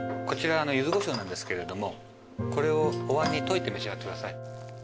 こちらゆずこしょうなんですけれどもこれをおわんに溶いて召し上がってください。